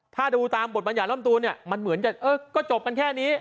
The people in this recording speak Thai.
ถ้าดูตามบทบรรยาลำตูนเนี่ยมันเหมือนกันก็จบกันแค่นี้